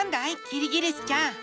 キリギリスちゃん。